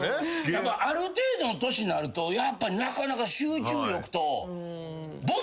ある程度の年なるとやっぱなかなか集中力と。